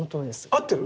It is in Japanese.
合ってる？